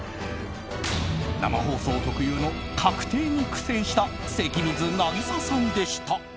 生放送特有の確定に苦戦した関水渚さんでした。